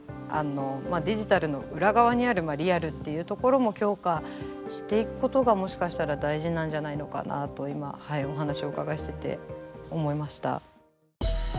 デジタルの裏側にあるリアルっていうところも強化していくことがもしかしたら大事なんじゃないのかなと今お話をお伺いしてて思いました。